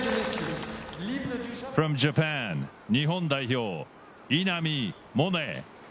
日本代表・稲見萌寧。